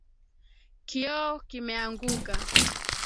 Kioo kimeanguka